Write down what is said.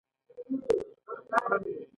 دوی له ازادیو څخه په برابره توګه برخمن کیږي.